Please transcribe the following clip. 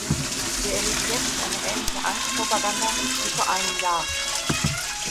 Wir erleben jetzt eine ähnliche Angstpropaganda wie vor einem Jahr.